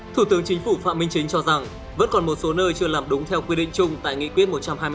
thủ tướng chính phủ phạm minh chính cho rằng vẫn còn một số nơi chưa làm đúng theo quy định chung tại nghị quyết một trăm hai mươi ba